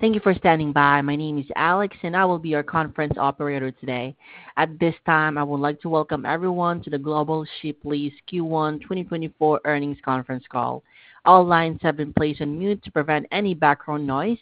Thank you for standing by. My name is Alex, and I will be your conference operator today. At this time, I would like to welcome everyone to the Global Ship Lease Q1 2024 Earnings Conference Call. All lines have been placed on mute to prevent any background noise.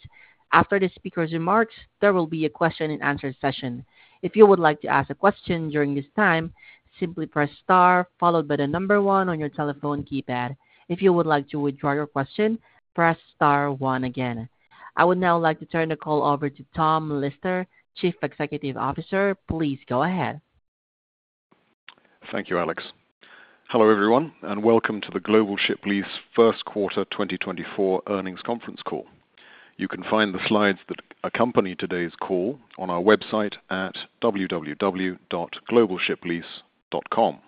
After the speaker's remarks, there will be a question and answer session. If you would like to ask a question during this time, simply press star followed by the number one on your telephone keypad. If you would like to withdraw your question, press star one again. I would now like to turn the call over to Tom Lister, Chief Executive Officer. Please go ahead. Thank you, Alex. Hello, everyone, and welcome to the Global Ship Lease First Quarter 2024 Earnings Conference Call. You can find the slides that accompany today's call on our website at www.globalshiplease.com.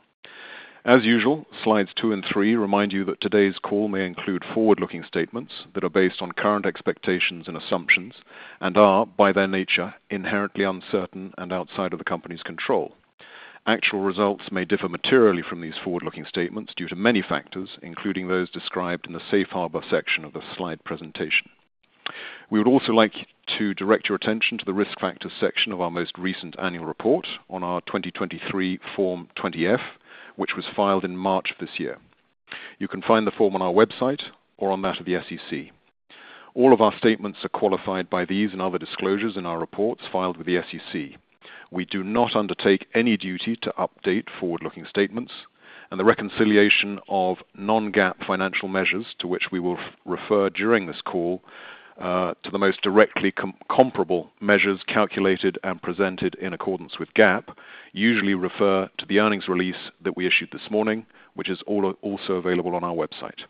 As usual, slides two and three remind you that today's call may include forward-looking statements that are based on current expectations and assumptions and are, by their nature, inherently uncertain and outside of the company's control. Actual results may differ materially from these forward-looking statements due to many factors, including those described in the Safe Harbor section of the slide presentation. We would also like to direct your attention to the Risk Factors section of our most recent annual report on our 2023 Form 20-F, which was filed in March of this year. You can find the form on our website or on that of the SEC. All of our statements are qualified by these and other disclosures in our reports filed with the SEC. We do not undertake any duty to update forward-looking statements, and the reconciliation of non-GAAP financial measures to which we will refer during this call to the most directly comparable measures calculated and presented in accordance with GAAP usually refer to the earnings release that we issued this morning, which is also available on our website.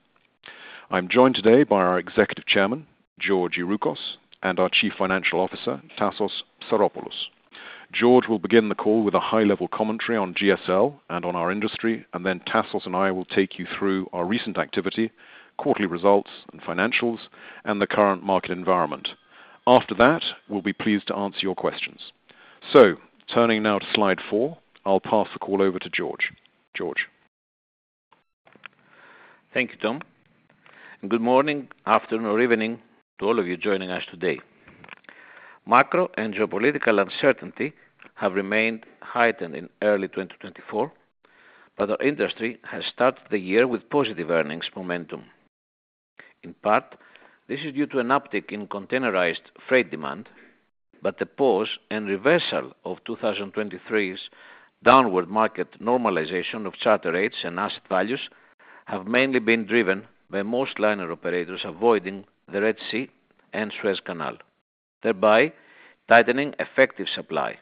I'm joined today by our Executive Chairman, George Youroukos, and our Chief Financial Officer, Tassos Psaropoulos. George will begin the call with a high-level commentary on GSL and on our industry, and then Tassos and I will take you through our recent activity, quarterly results and financials, and the current market environment. After that, we'll be pleased to answer your questions. So turning now to slide four, I'll pass the call over to George. George? Thank you, Tom. Good morning, afternoon, or evening to all of you joining us today. Macro and geopolitical uncertainty have remained heightened in early 2024, but our industry has started the year with positive earnings momentum. In part, this is due to an uptick in containerized freight demand, but the pause and reversal of 2023's downward market normalization of charter rates and asset values have mainly been driven by most liner operators avoiding the Red Sea and Suez Canal, thereby tightening effective supply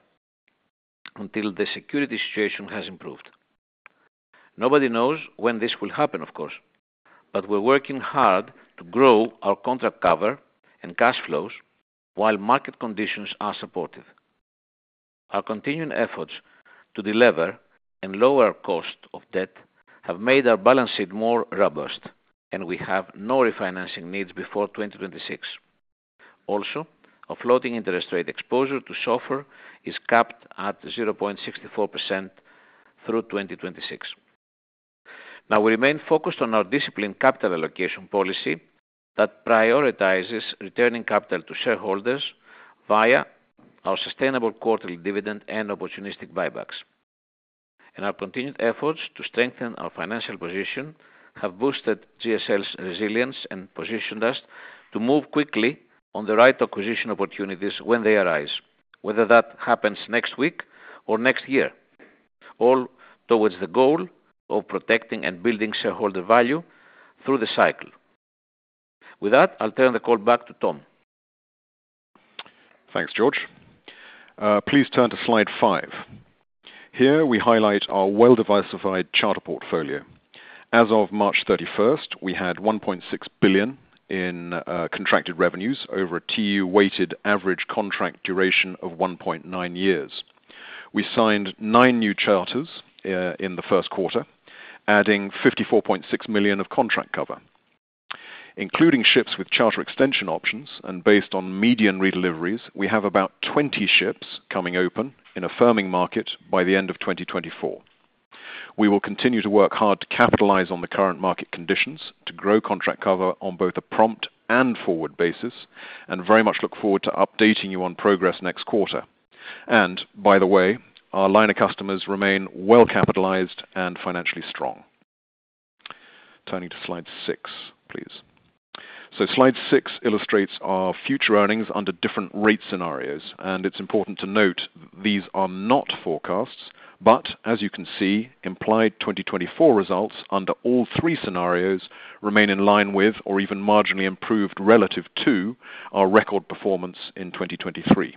until the security situation has improved. Nobody knows when this will happen, of course, but we're working hard to grow our contract cover and cash flows while market conditions are supportive. Our continuing efforts to delever and lower cost of debt have made our balance sheet more robust, and we have no refinancing needs before 2026. Also, our floating interest rate exposure to SOFR is capped at 0.64% through 2026. Now, we remain focused on our disciplined capital allocation policy that prioritizes returning capital to shareholders via our sustainable quarterly dividend and opportunistic buybacks. Our continued efforts to strengthen our financial position have boosted GSL's resilience and positioned us to move quickly on the right acquisition opportunities when they arise, whether that happens next week or next year, all towards the goal of protecting and building shareholder value through the cycle. With that, I'll turn the call back to Tom. Thanks, George. Please turn to slide five. Here, we highlight our well-diversified charter portfolio. As of March 31, we had $1.6 billion in contracted revenues over a TEU-weighted average contract duration of 1.9 years. We signed nine new charters in the first quarter, adding $54.6 million of contract cover. Including ships with charter extension options and based on median redeliveries, we have about 20 ships coming open in a firming market by the end of 2024. We will continue to work hard to capitalize on the current market conditions, to grow contract cover on both a prompt and forward basis and very much look forward to updating you on progress next quarter. And by the way, our liner customers remain well-capitalized and financially strong. Turning to slide six, please. So slide six illustrates our future earnings under different rate scenarios, and it's important to note these are not forecasts, but as you can see, implied 2024 results under all three scenarios remain in line with or even marginally improved relative to our record performance in 2023.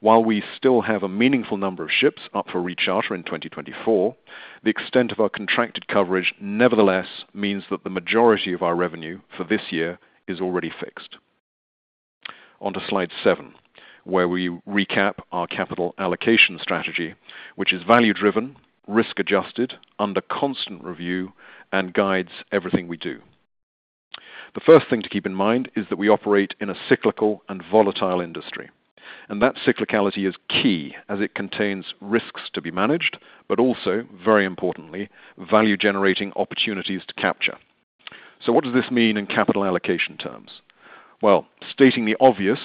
While we still have a meaningful number of ships up for recharter in 2024, the extent of our contracted coverage nevertheless means that the majority of our revenue for this year is already fixed. On to slide seven, where we recap our capital allocation strategy, which is value driven, risk adjusted, under constant review, and guides everything we do. The first thing to keep in mind is that we operate in a cyclical and volatile industry. And that cyclicality is key as it contains risks to be managed, but also, very importantly, value-generating opportunities to capture. So what does this mean in capital allocation terms? Well, stating the obvious,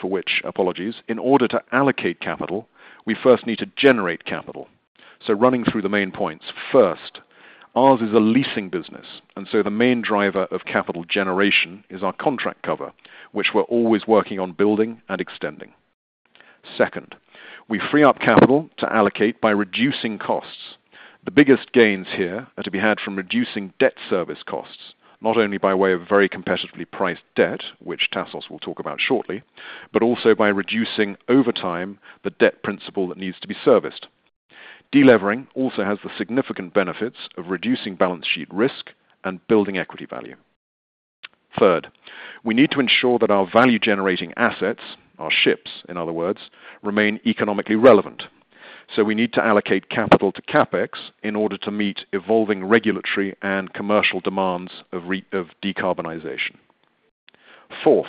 for which apologies, in order to allocate capital, we first need to generate capital. So running through the main points. First, ours is a leasing business, and so the main driver of capital generation is our contract cover, which we're always working on building and extending. Second, we free up capital to allocate by reducing costs. The biggest gains here are to be had from reducing debt service costs, not only by way of very competitively priced debt, which Tassos will talk about shortly, but also by reducing over time the debt principal that needs to be serviced. Delevering also has the significant benefits of reducing balance sheet risk and building equity value. Third, we need to ensure that our value-generating assets, our ships, in other words, remain economically relevant, so we need to allocate capital to CapEx in order to meet evolving regulatory and commercial demands of decarbonization. Fourth,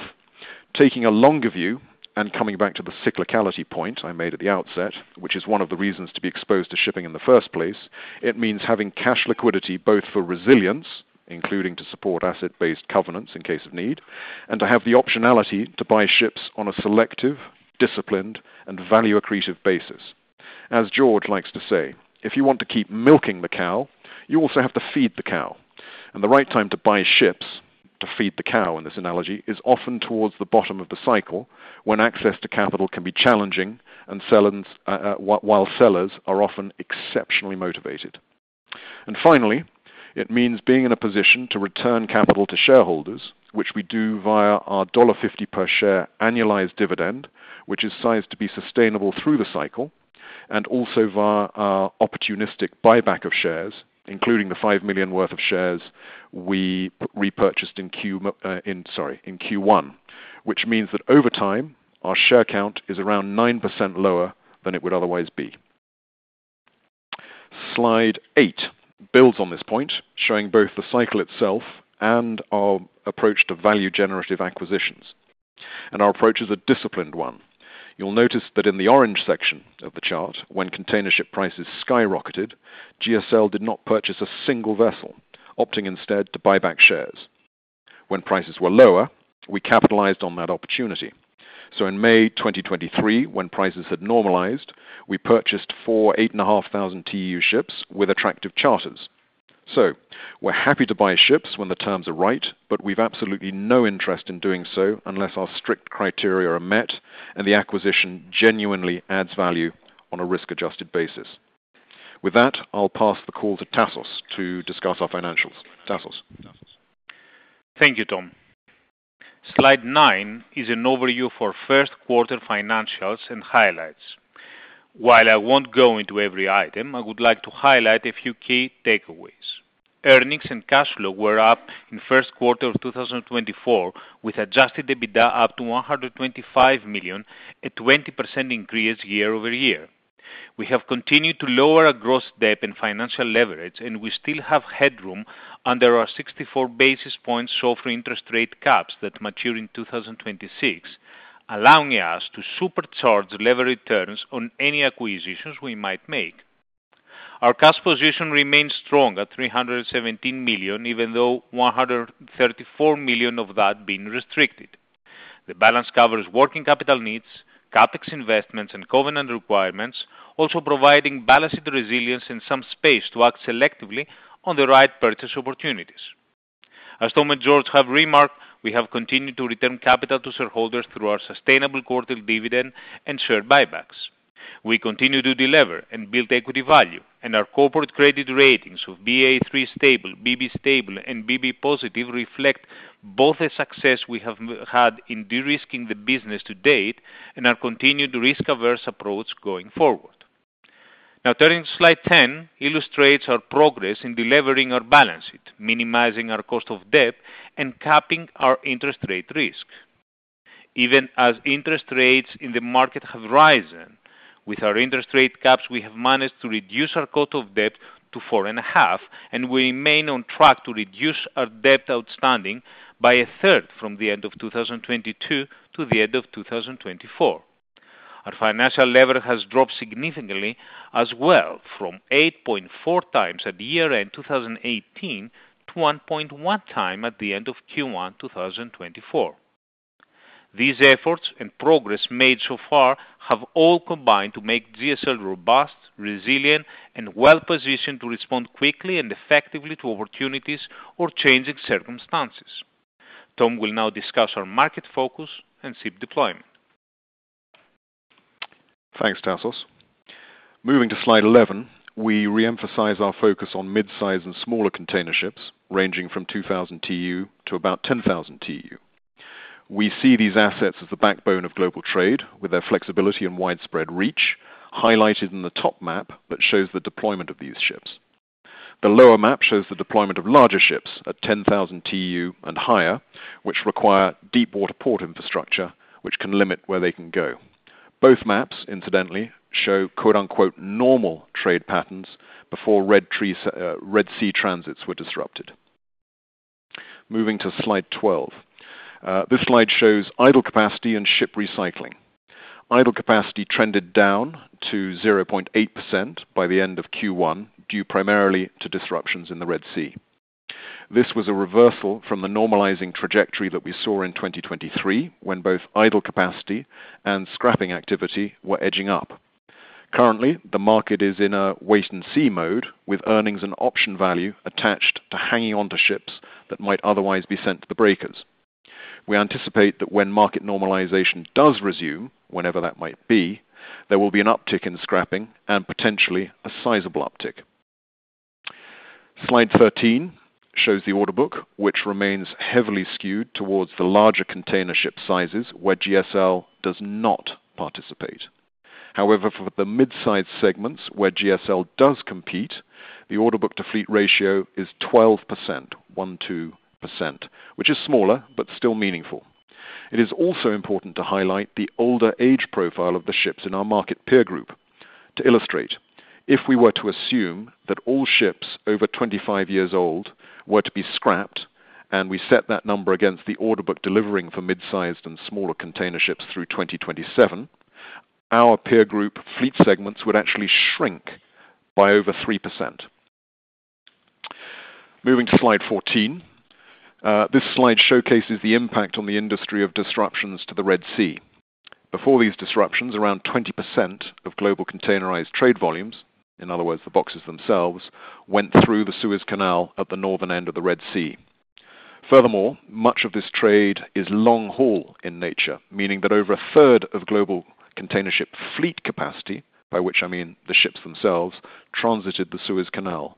taking a longer view and coming back to the cyclicality point I made at the outset, which is one of the reasons to be exposed to shipping in the first place, it means having cash liquidity both for resilience, including to support asset-based covenants in case of need, and to have the optionality to buy ships on a selective, disciplined, and value-accretive basis. As George likes to say, "If you want to keep milking the cow, you also have to feed the cow." And the right time to buy ships, to feed the cow in this analogy, is often towards the bottom of the cycle, when access to capital can be challenging and sellers, while sellers are often exceptionally motivated. And finally, it means being in a position to return capital to shareholders, which we do via our $1.50 per share annualized dividend, which is sized to be sustainable through the cycle, and also via our opportunistic buyback of shares, including the $5 million worth of shares we repurchased in Q1, which means that over time, our share count is around 9% lower than it would otherwise be. Slide eight builds on this point, showing both the cycle itself and our approach to value-generative acquisitions. Our approach is a disciplined one. You'll notice that in the orange section of the chart, when container ship prices skyrocketed, GSL did not purchase a single vessel, opting instead to buy back shares. When prices were lower, we capitalized on that opportunity. In May 2023, when prices had normalized, we purchased four 8,500 TEU ships with attractive charters. We're happy to buy ships when the terms are right, but we've absolutely no interest in doing so unless our strict criteria are met and the acquisition genuinely adds value on a risk-adjusted basis. With that, I'll pass the call to Tassos to discuss our financials. Tassos? Thank you, Tom. Slide nine is an overview for first quarter financials and highlights. While I won't go into every item, I would like to highlight a few key takeaways. Earnings and cash flow were up in first quarter of 2024, with Adjusted EBITDA up to $125 million, a 20% increase year-over-year. We have continued to lower our gross debt and financial leverage, and we still have headroom under our 64 basis points SOFR interest rate caps that mature in 2026, allowing us to supercharge levered returns on any acquisitions we might make. Our cash position remains strong at $317 million, even though $134 million of that being restricted. The balance covers working capital needs, CapEx investments, and covenant requirements, also providing balanced resilience and some space to act selectively on the right purchase opportunities. As Tom and George have remarked, we have continued to return capital to shareholders through our sustainable quarter dividend and share buybacks. We continue to delever and build equity value, and our corporate credit ratings of Ba3 stable, BB stable, and BB positive reflect both a success we have had in de-risking the business to date and our continued risk-averse approach going forward. Now, turning to slide 10 illustrates our progress in delevering our balance sheet, minimizing our cost of debt, and capping our interest rate risk. Even as interest rates in the market have risen, with our interest rate caps, we have managed to reduce our cost of debt to 4.5, and we remain on track to reduce our debt outstanding by a third from the end of 2022 to the end of 2024. Our financial lever has dropped significantly as well, from 8.4 times at year end 2018 to 1.1x at the end of Q1 2024. These efforts and progress made so far have all combined to make GSL robust, resilient, and well-positioned to respond quickly and effectively to opportunities or changing circumstances. Tom will now discuss our market focus and ship deployment. Thanks, Tassos. Moving to slide 11, we reemphasize our focus on mid-size and smaller container ships, ranging from 2,000 TEU to about 10,000 TEU. We see these assets as the backbone of global trade with their flexibility and widespread reach, highlighted in the top map that shows the deployment of these ships. The lower map shows the deployment of larger ships at 10,000 TEU and higher, which require deepwater port infrastructure, which can limit where they can go. Both maps, incidentally, show, quote, unquote, "normal trade patterns" before Red Sea transits were disrupted. Moving to slide 12. This slide shows idle capacity and ship recycling. Idle capacity trended down to 0.8% by the end of Q1, due primarily to disruptions in the Red Sea. This was a reversal from the normalizing trajectory that we saw in 2023, when both idle capacity and scrapping activity were edging up. Currently, the market is in a wait-and-see mode, with earnings and option value attached to hanging on to ships that might otherwise be sent to the breakers. We anticipate that when market normalization does resume, whenever that might be, there will be an uptick in scrapping and potentially a sizable uptick. slide 13 shows the order book, which remains heavily skewed towards the larger container ship sizes, where GSL does not participate. However, for the mid-size segments, where GSL does compete, the order book to fleet ratio is 12%, 1%-2%, which is smaller, but still meaningful. It is also important to highlight the older age profile of the ships in our market peer group. To illustrate, if we were to assume that all ships over 25 years old were to be scrapped, and we set that number against the order book delivering for mid-sized and smaller container ships through 2027, our peer group fleet segments would actually shrink by over 3%. Moving to slide 14. This slide showcases the impact on the industry of disruptions to the Red Sea. Before these disruptions, around 20% of global containerized trade volumes, in other words, the boxes themselves, went through the Suez Canal at the northern end of the Red Sea. Furthermore, much of this trade is long haul in nature, meaning that over a third of global container ship fleet capacity, by which I mean the ships themselves, transited the Suez Canal.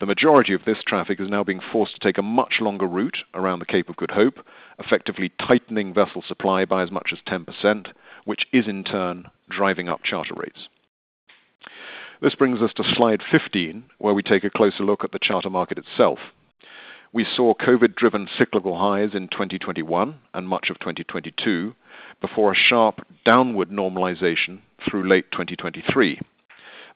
The majority of this traffic is now being forced to take a much longer route around the Cape of Good Hope, effectively tightening vessel supply by as much as 10%, which is, in turn, driving up charter rates. This brings us to slide 15, where we take a closer look at the charter market itself. We saw COVID-driven cyclical highs in 2021 and much of 2022, before a sharp downward normalization through late 2023.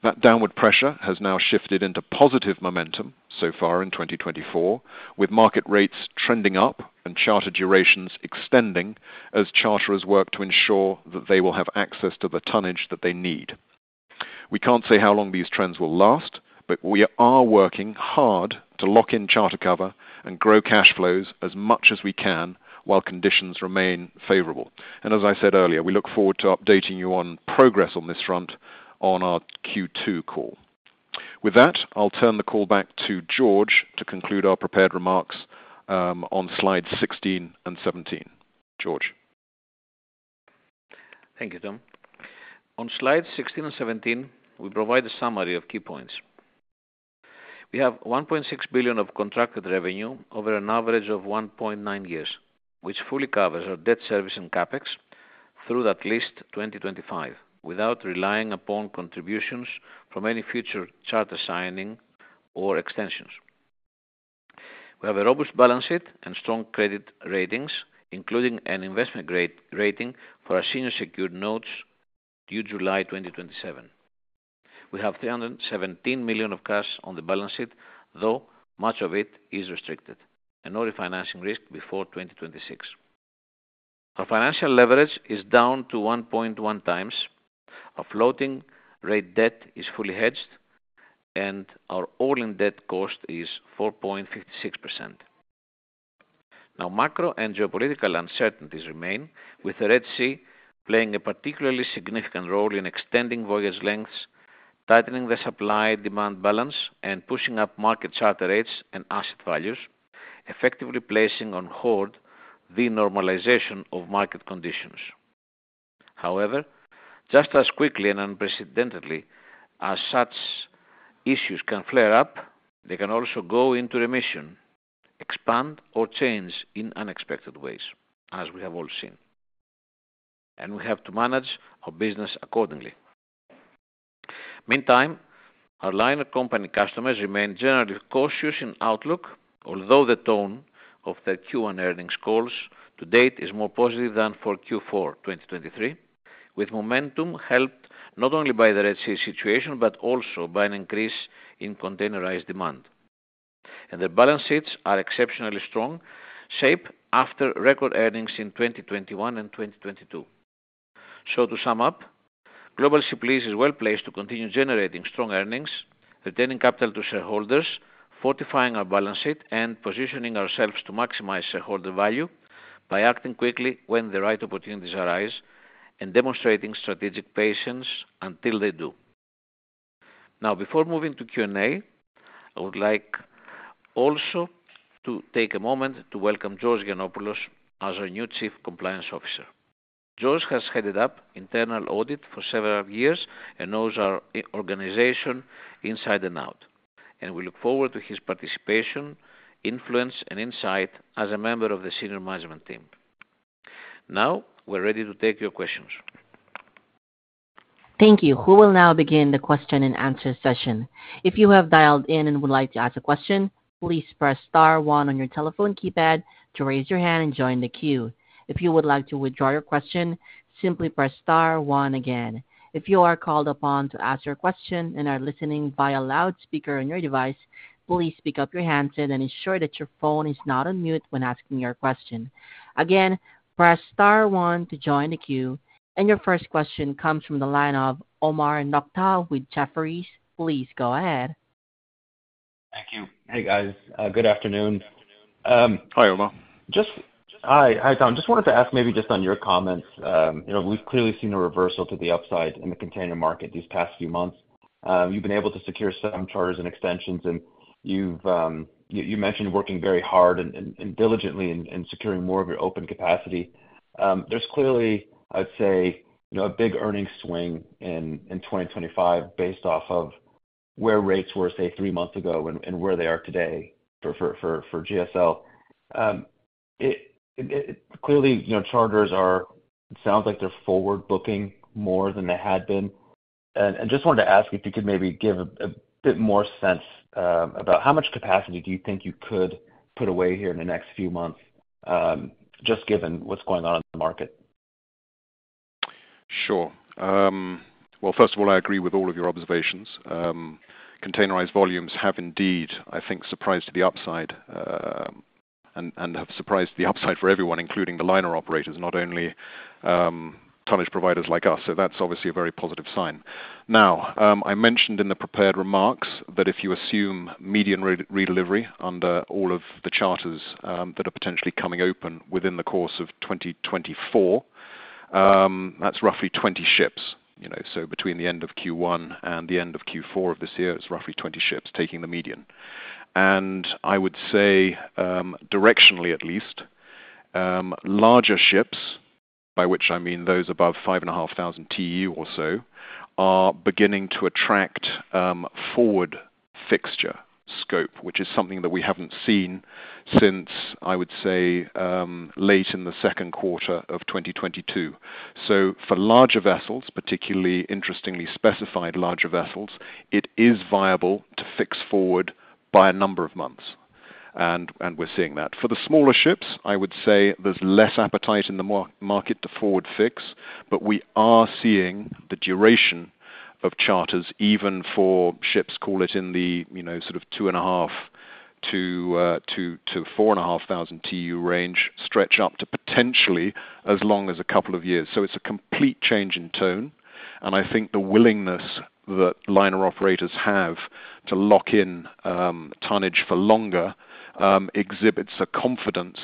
That downward pressure has now shifted into positive momentum so far in 2024, with market rates trending up and charter durations extending as charterers work to ensure that they will have access to the tonnage that they need. We can't say how long these trends will last, but we are working hard to lock in charter cover and grow cash flows as much as we can while conditions remain favorable. As I said earlier, we look forward to updating you on progress on this front on our Q2 call. With that, I'll turn the call back to George to conclude our prepared remarks on slides 16 and 17. George? Thank you, Tom. On slides 16 and 17, we provide a summary of key points. We have $1.6 billion of contracted revenue over an average of 1.9 years, which fully covers our debt service and CapEx through at least 2025, without relying upon contributions from any future charter signing or extensions. We have a robust balance sheet and strong credit ratings, including an investment grade rating for our senior secured notes due July 2027. We have $317 million of cash on the balance sheet, though much of it is restricted, and no refinancing risk before 2026. Our financial leverage is down to 1.1x. Our floating rate debt is fully hedged, and our all-in debt cost is 4.56%. Now, macro and geopolitical uncertainties remain, with the Red Sea playing a particularly significant role in extending voyage lengths, tightening the supply-demand balance, and pushing up market charter rates and asset values, effectively placing on hold the normalization of market conditions. However, just as quickly and unprecedentedly as such issues can flare up, they can also go into remission, expand, or change in unexpected ways, as we have all seen, and we have to manage our business accordingly. Meantime, our liner company customers remain generally cautious in outlook, although the tone of their Q1 earnings calls to date is more positive than for Q4, 2023, with momentum helped not only by the Red Sea situation, but also by an increase in containerized demand. And their balance sheets are exceptionally strong, shaped after record earnings in 2021 and 2022. So to sum up, Global Ship Lease is well-placed to continue generating strong earnings, returning capital to shareholders, fortifying our balance sheet, and positioning ourselves to maximize shareholder value by acting quickly when the right opportunities arise and demonstrating strategic patience until they do. Now, before moving to Q&A, I would like also to take a moment to welcome George Giannopoulos as our new Chief Compliance Officer. George has headed up internal audit for several years and knows our organization inside and out, and we look forward to his participation, influence, and insight as a member of the senior management team. Now, we're ready to take your questions. Thank you. We will now begin the question and answer session. If you have dialed in and would like to ask a question, please press star one on your telephone keypad to raise your hand and join the queue. If you would like to withdraw your question, simply press star one again. If you are called upon to ask your question and are listening via loudspeaker on your device, please pick up your handset and ensure that your phone is not on mute when asking your question. Again, press star one to join the queue, and your first question comes from the line of Omar Nokta with Jefferies. Please go ahead. Thank you. Hey, guys. Good afternoon. Hi, Omar. Hi. Hi, Tom. Just wanted to ask maybe just on your comments, you know, we've clearly seen a reversal to the upside in the container market these past few months. You've been able to secure some charters and extensions, and you mentioned working very hard and diligently in securing more of your open capacity. There's clearly, I'd say, you know, a big earnings swing in 2025 based off of where rates were, say, three months ago and where they are today for GSL. Clearly, you know, charters are. It sounds like they're forward-booking more than they had been. Just wanted to ask if you could maybe give a bit more sense about how much capacity do you think you could put away here in the next few months, just given what's going on in the market? Sure. Well, first of all, I agree with all of your observations. Containerized volumes have indeed, I think, surprised to the upside, and have surprised the upside for everyone, including the liner operators, not only tonnage providers like us. So that's obviously a very positive sign. Now, I mentioned in the prepared remarks that if you assume median redelivery under all of the charters that are potentially coming open within the course of 2024, that's roughly 20 ships. You know, so between the end of Q1 and the end of Q4 of this year, it's roughly 20 ships taking the median. And I would say, directionally, at least, larger ships, by which I mean those above 5,500 TEU or so, are beginning to attract forward fixture scope, which is something that we haven't seen since, I would say, late in the second quarter of 2022. So for larger vessels, particularly interestingly specified larger vessels, it is viable to fix forward by a number of months, and we're seeing that. For the smaller ships, I would say there's less appetite in the market to forward fix, but we are seeing the duration of charters, even for ships, call it in the, you know, sort of 2,500-4,500 TEU range, stretch up to potentially as long as a couple of years. So it's a complete change in tone, and I think the willingness that liner operators have to lock in, tonnage for longer, exhibits a confidence,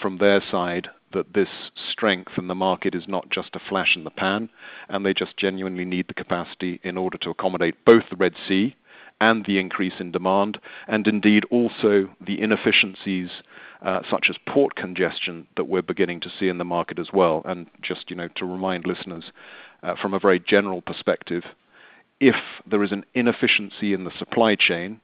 from their side that this strength in the market is not just a flash in the pan, and they just genuinely need the capacity in order to accommodate both the Red Sea and the increase in demand, and indeed, also the inefficiencies, such as port congestion, that we're beginning to see in the market as well. And just, you know, to remind listeners, from a very general perspective, if there is an inefficiency in the supply chain,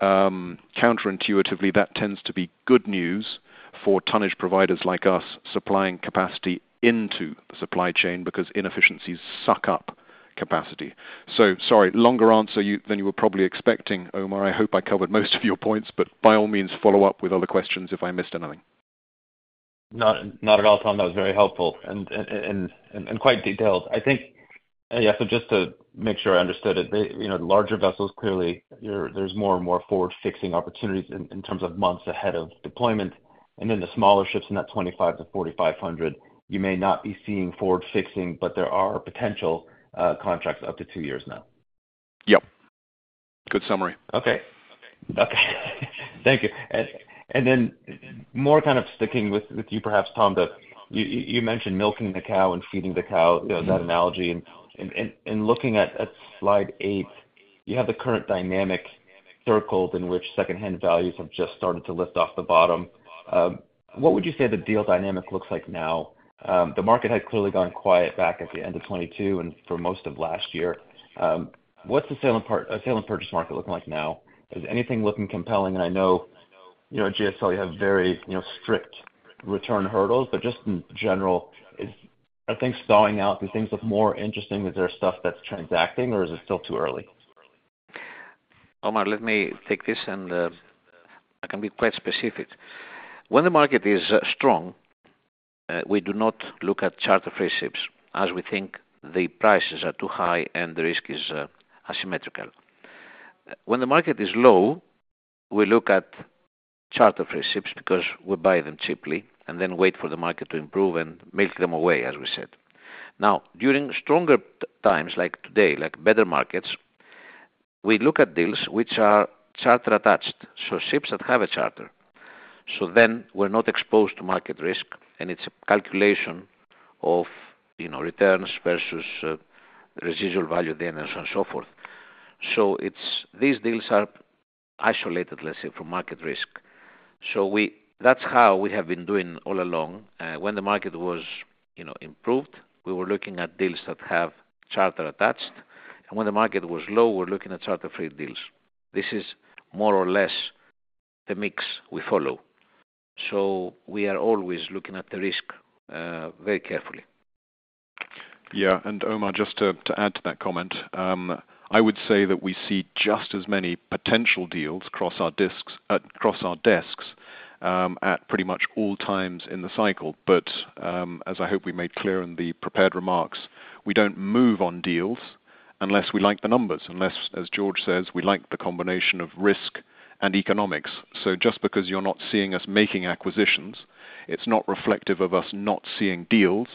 counterintuitively, that tends to be good news for tonnage providers like us, supplying capacity into the supply chain, because inefficiencies suck up capacity. So sorry, longer answer you, than you were probably expecting, Omar. I hope I covered most of your points, but by all means, follow up with other questions if I missed anything. Not at all, Tom. That was very helpful and quite detailed. I think, yeah, so just to make sure I understood it, you know, the larger vessels, clearly, you're, there's more and more forward fixing opportunities in terms of months ahead of deployment, and then the smaller ships in that 2,500-4,500, you may not be seeing forward fixing, but there are potential contracts up to two years now. Yep. Good summary. Okay. Okay. Thank you. And then more kind of sticking with you, perhaps, Tom, you mentioned milking the cow and feeding the cow, you know, that analogy. And looking at slide eight, you have the current dynamic circled in which secondhand values have just started to lift off the bottom. What would you say the deal dynamic looks like now? The market had clearly gone quiet back at the end of 2022 and for most of last year. What's the sale and purchase market looking like now? Is anything looking compelling? I know, you know, at GSL, you have very, you know, strict return hurdles, but just in general, are things thawing out? Do things look more interesting? Is there stuff that's transacting, or is it still too early? Omar, let me take this, and I can be quite specific. When the market is strong, we do not look at charter-free ships, as we think the prices are too high and the risk is asymmetrical. When the market is low, we look at charter-free ships because we buy them cheaply and then wait for the market to improve and milk them away, as we said. Now, during stronger times, like today, like better markets, we look at deals which are charter attached, so ships that have a charter, so then we're not exposed to market risk, and it's a calculation of, you know, returns versus residual value, then, and so on, so forth. So it's these deals are isolated, let's say, from market risk. So that's how we have been doing all along. When the market was, you know, improved, we were looking at deals that have charter attached, and when the market was low, we're looking at charter-free deals. This is more or less the mix we follow. So we are always looking at the risk very carefully. Yeah, and Omar, just to add to that comment, I would say that we see just as many potential deals cross our desks at pretty much all times in the cycle. But as I hope we made clear in the prepared remarks, we don't move on deals unless we like the numbers, unless, as George says, we like the combination of risk and economics. So just because you're not seeing us making acquisitions, it's not reflective of us not seeing deals,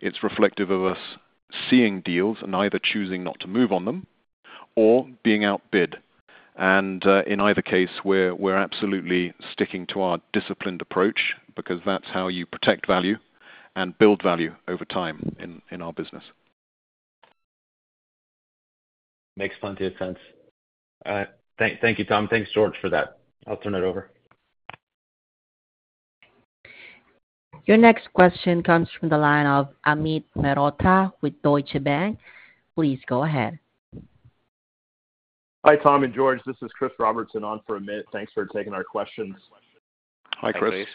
it's reflective of us seeing deals and either choosing not to move on them or being outbid. And in either case, we're absolutely sticking to our disciplined approach, because that's how you protect value and build value over time in our business. Makes plenty of sense. Thank, thank you, Tom. Thanks, George, for that. I'll turn it over. Your next question comes from the line of Amit Mehrotra with Deutsche Bank. Please go ahead. Hi, Tom and George. This is Chris Robertson on for Amit. Thanks for taking our questions. Hi, Chris.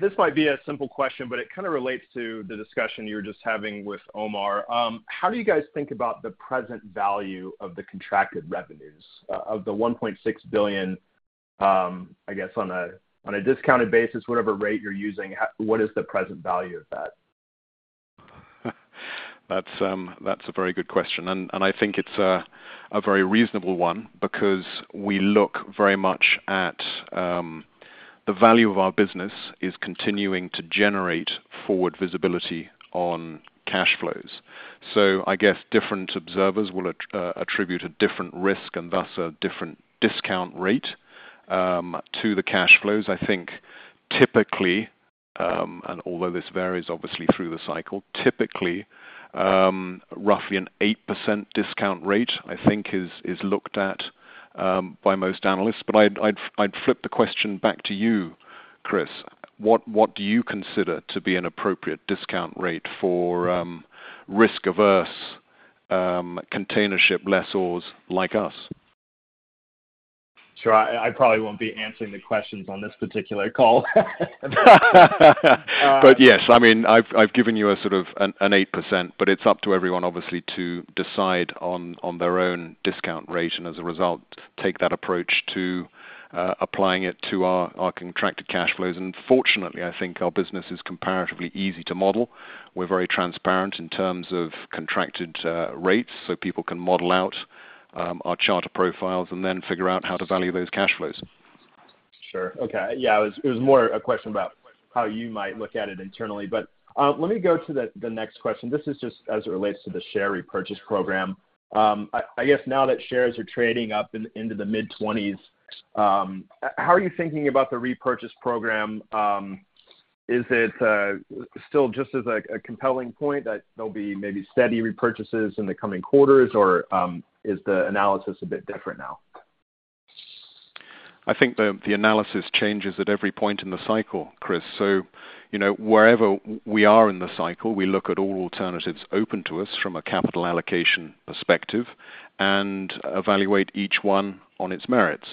This might be a simple question, but it kind of relates to the discussion you were just having with Omar. How do you guys think about the present value of the contracted revenues of the $1.6 billion, I guess, on a discounted basis, whatever rate you're using, what is the present value of that? That's a very good question, and I think it's a very reasonable one, because we look very much at the value of our business is continuing to generate forward visibility on cash flows. So I guess different observers will attribute a different risk and thus a different discount rate to the cash flows. I think typically, and although this varies obviously through the cycle, typically, roughly an 8% discount rate, I think, is looked at by most analysts. But I'd flip the question back to you, Chris. What do you consider to be an appropriate discount rate for risk-averse container ship lessors like us? Sure. I probably won't be answering the questions on this particular call. But yes, I mean, I've given you a sort of an 8%, but it's up to everyone, obviously, to decide on their own discount rate, and as a result, take that approach to applying it to our contracted cash flows. And fortunately, I think our business is comparatively easy to model. We're very transparent in terms of contracted rates, so people can model out our charter profiles and then figure out how to value those cash flows. Sure. Okay. Yeah, it was, it was more a question about how you might look at it internally. But, let me go to the next question. This is just as it relates to the share repurchase program. I guess now that shares are trading up into the mid-20s, how are you thinking about the repurchase program? Is it still just as a compelling point that there'll be maybe steady repurchases in the coming quarters, or is the analysis a bit different now? I think the analysis changes at every point in the cycle, Chris. So, you know, wherever we are in the cycle, we look at all alternatives open to us from a capital allocation perspective and evaluate each one on its merits.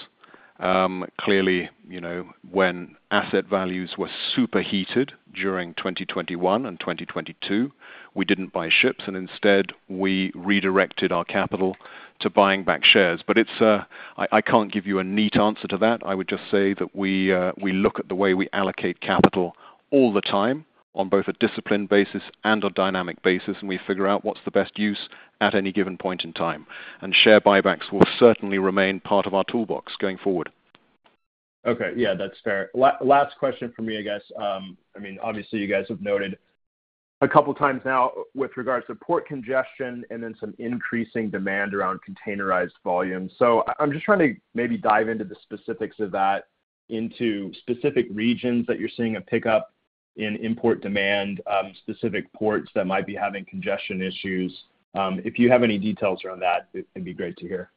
Clearly, you know, when asset values were superheated during 2021 and 2022, we didn't buy ships, and instead, we redirected our capital to buying back shares. But it's... I can't give you a neat answer to that. I would just say that we look at the way we allocate capital all the time on both a disciplined basis and a dynamic basis, and we figure out what's the best use at any given point in time. And share buybacks will certainly remain part of our toolbox going forward. Okay. Yeah, that's fair. Last question from me, I guess. I mean, obviously, you guys have noted a couple of times now with regards to port congestion and then some increasing demand around containerized volume. So I'm just trying to maybe dive into the specifics of that, into specific regions that you're seeing a pickup in import demand, specific ports that might be having congestion issues. If you have any details around that, it would be great to hear.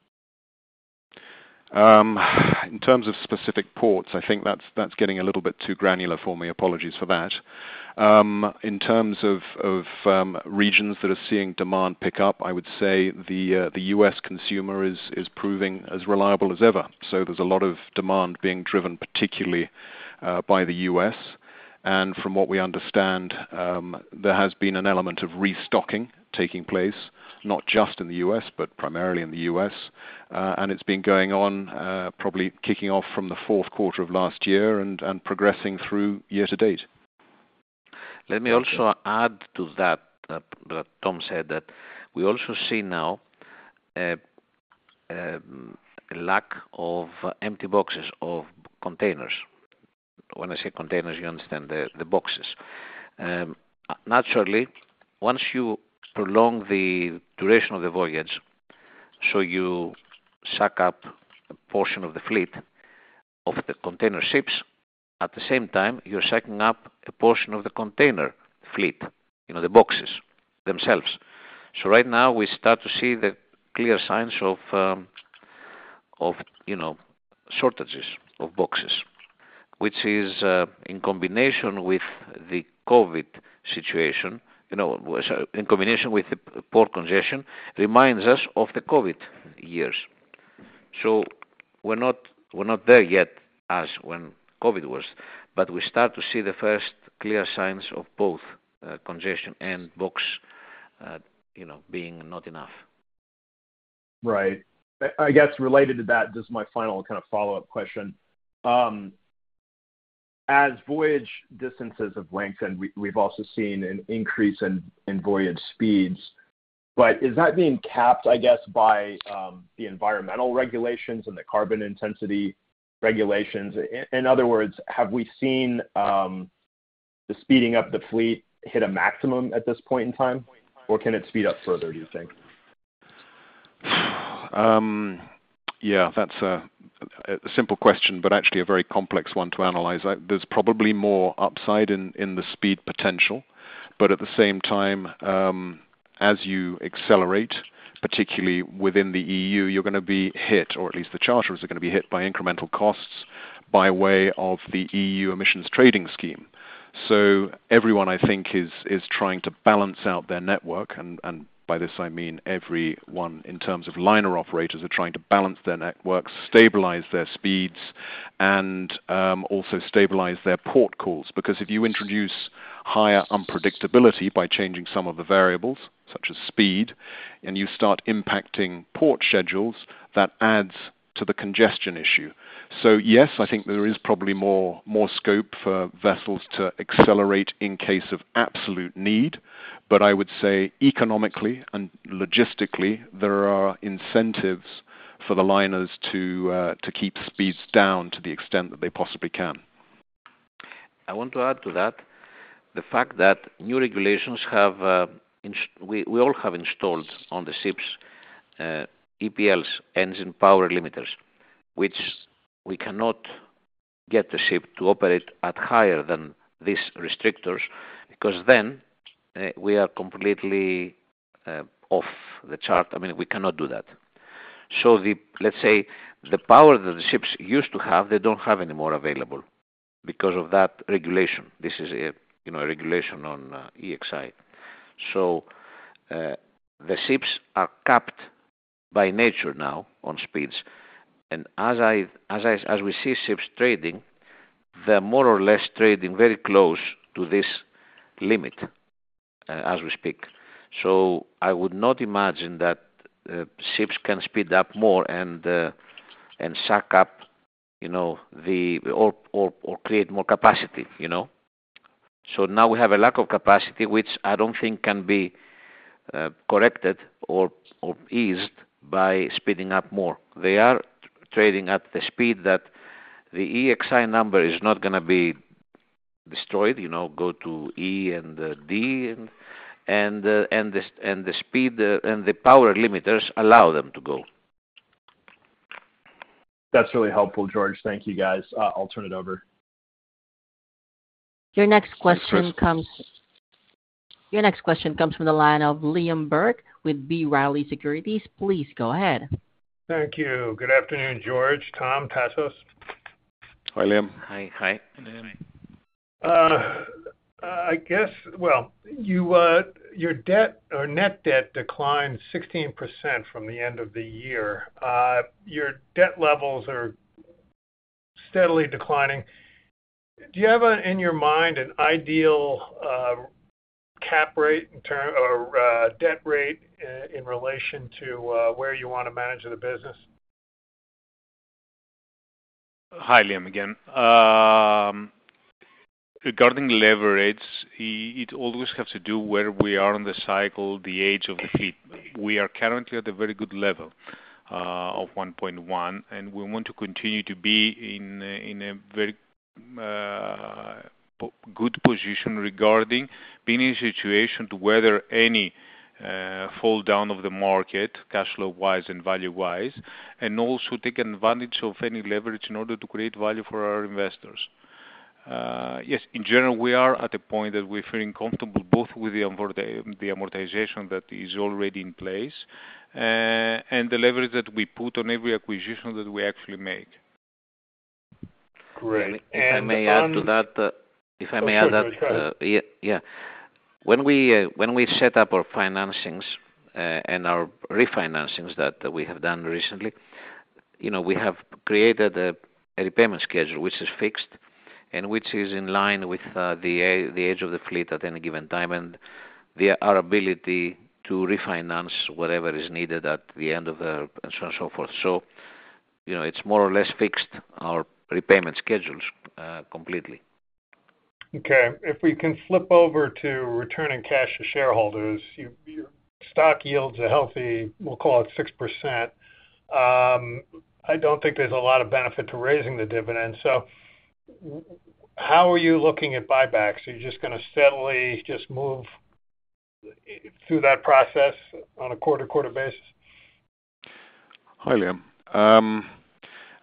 In terms of specific ports, I think that's getting a little bit too granular for me. Apologies for that. In terms of regions that are seeing demand pick up, I would say the U.S. consumer is proving as reliable as ever. So there's a lot of demand being driven, particularly by the U.S. And from what we understand, there has been an element of restocking taking place, not just in the U.S., but primarily in the U.S., and it's been going on, probably kicking off from the fourth quarter of last year and progressing through year to date. Let me also add to that Tom said that we also see now a lack of empty boxes, of containers. When I say containers, you understand the boxes. Naturally, once you prolong the duration of the voyage, so you suck up a portion of the fleet of the container ships, at the same time, you're sucking up a portion of the container fleet, you know, the boxes themselves. So right now, we start to see the clear signs of, you know, shortages of boxes, which is in combination with the COVID situation, you know, was in combination with the port congestion, reminds us of the COVID years. So we're not, we're not there yet as when COVID was, but we start to see the first clear signs of both, congestion and books, you know, being not enough. Right. I guess, related to that, this is my final kind of follow-up question. As voyage distances have lengthened, we've also seen an increase in voyage speeds, but is that being capped, I guess, by the environmental regulations and the carbon intensity regulations? In other words, have we seen the speeding up the fleet hit a maximum at this point in time, or can it speed up further, do you think? Yeah, that's a simple question, but actually a very complex one to analyze. There's probably more upside in the speed potential, but at the same time, as you accelerate, particularly within the E.U., you're gonna be hit, or at least the charterers are gonna be hit by incremental costs by way of the E.U. Emissions Trading Scheme. So everyone, I think, is trying to balance out their network, and by this, I mean, everyone, in terms of liner operators, are trying to balance their network, stabilize their speeds, and also stabilize their port calls. Because if you introduce higher unpredictability by changing some of the variables, such as speed, and you start impacting port schedules, that adds to the congestion issue. So, yes, I think there is probably more scope for vessels to accelerate in case of absolute need, but I would say economically and logistically, there are incentives for the liners to to keep speeds down to the extent that they possibly can. I want to add to that, the fact that new regulations have, we all have installed on the ships, EPLs, engine power limiters, which we cannot get the ship to operate at higher than these restrictors, because then, we are completely, off the chart. I mean, we cannot do that. So the, let's say, the power that the ships used to have, they don't have any more available because of that regulation. This is a, you know, a regulation on, EXI. So, the ships are capped by nature now on speeds, and as we see ships trading, they're more or less trading very close to this limit, as we speak. So I would not imagine that ships can speed up more and suck up, you know, the or create more capacity, you know? So now we have a lack of capacity, which I don't think can be corrected or eased by speeding up more. They are trading at the speed that the EXI number is not gonna be destroyed, you know, go to E&D, and the speed and the power limiters allow them to go. That's really helpful, George. Thank you, guys. I'll turn it over. Your next question comes. Your next question comes from the line of Liam Burke with B. Riley Securities. Please go ahead. Thank you. Good afternoon, George, Tom, Tassos. Hi, Liam. Hi. Hi. Hi. I guess, well, your debt or net debt declined 16% from the end of the year. Your debt levels are steadily declining. Do you have, in your mind an ideal, cap rate in term- or, debt rate, in relation to, where you want to manage the business? Hi, Liam, again. Regarding leverage, it always has to do where we are in the cycle, the age of the fleet. We are currently at a very good level of 1.1, and we want to continue to be in a very good position regarding being in a situation to weather any fall down of the market, cash flow-wise and value-wise, and also take advantage of any leverage in order to create value for our investors. Yes, in general, we are at a point that we're feeling comfortable both with the amortization that is already in place and the leverage that we put on every acquisition that we actually make. Great, and on, If I may add to that. Oh, sure. Go ahead. Yeah. When we, when we set up our financings, and our refinancings that we have done recently, you know, we have created a repayment schedule, which is fixed, and which is in line with, the age of the fleet at any given time, and our ability to refinance whatever is needed at the end of the. And so on and so forth. So, you know, it's more or less fixed our prepayment schedules, completely. Okay. If we can flip over to returning cash to shareholders, your stock yields a healthy, we'll call it 6%. I don't think there's a lot of benefit to raising the dividend, so how are you looking at buybacks? Are you just gonna steadily just move through that process on a quarter-over-quarter basis? Hi, Liam.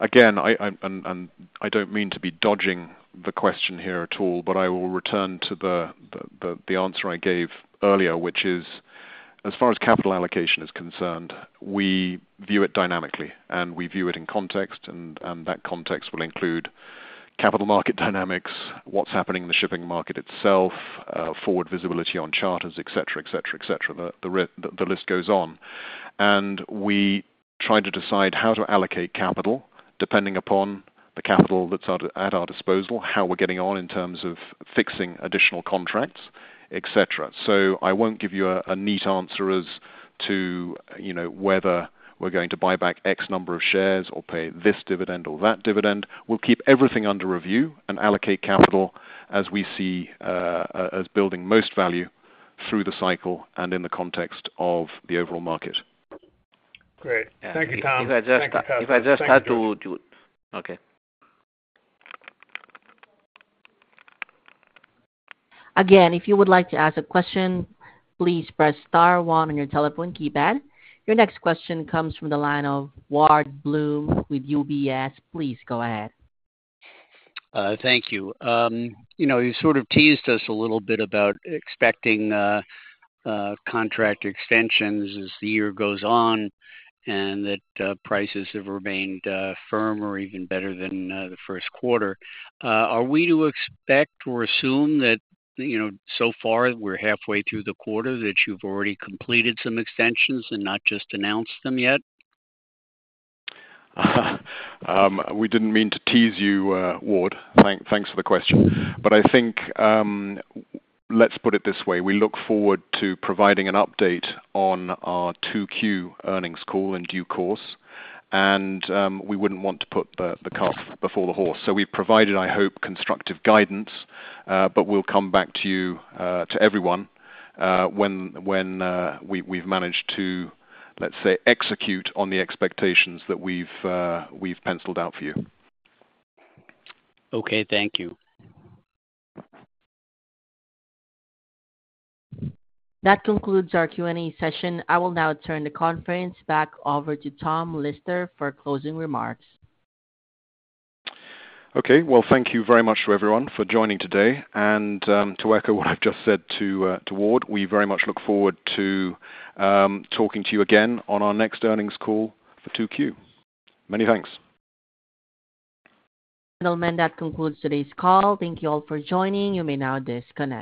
Again, I don't mean to be dodging the question here at all, but I will return to the answer I gave earlier, which is, as far as capital allocation is concerned, we view it dynamically, and we view it in context, and that context will include capital market dynamics, what's happening in the shipping market itself, forward visibility on charters, et cetera, et cetera, et cetera. The rest of the list goes on. We try to decide how to allocate capital, depending upon the capital that's at our disposal, how we're getting on in terms of fixing additional contracts, et cetera. So I won't give you a neat answer as to, you know, whether we're going to buy back X number of shares or pay this dividend or that dividend. We'll keep everything under review and allocate capital as we see, as building most value through the cycle and in the context of the overall market. Great. Thank you, Tom. If I just had to do. Okay. Again, if you would like to ask a question, please press star one on your telephone keypad. Your next question comes from the line of Ward Bloom with UBS. Please go ahead. Thank you. You know, you sort of teased us a little bit about expecting contract extensions as the year goes on, and that prices have remained firm or even better than the first quarter. Are we to expect or assume that, you know, so far we're halfway through the quarter, that you've already completed some extensions and not just announced them yet? We didn't mean to tease you, Ward. Thanks for the question. But I think, let's put it this way. We look forward to providing an update on our 2Q earnings call in due course, and we wouldn't want to put the cart before the horse. So we've provided, I hope, constructive guidance, but we'll come back to you, to everyone, when we've managed to, let's say, execute on the expectations that we've penciled out for you. Okay, thank you. That concludes our Q&A session. I will now turn the conference back over to Tom Lister for closing remarks. Okay. Well, thank you very much to everyone for joining today. To echo what I've just said to Ward, we very much look forward to talking to you again on our next earnings call for 2Q. Many thanks. Gentlemen, that concludes today's call. Thank you all for joining. You may now disconnect.